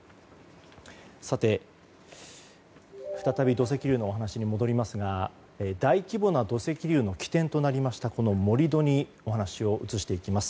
さて、再び土石流の話に戻りますが大規模な土石流の起点となりました盛り土にお話を移していきます。